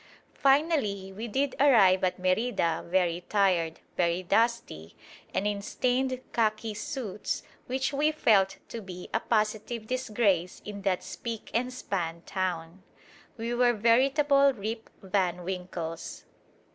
Finally we did arrive at Merida very tired, very dusty, and in stained khaki suits which we felt to be a positive disgrace in that spick and span town. We were veritable Rip Van Winkles.